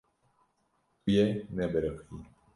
Tu yê nebiriqî.